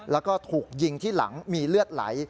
แล้วก็ถูกยิงที่หลังมีเลือดไหล